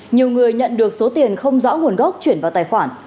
nhiều người nhận được số tiền không rõ nguồn gốc chuyển vào tài khoản